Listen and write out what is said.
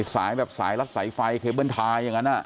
สายแบบสายรัดสายไฟเคเบิ้ลทายอย่างนั้น